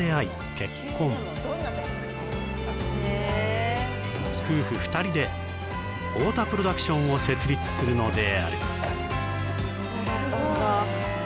結婚夫婦二人で太田プロダクションを設立するのであるそうだったんだ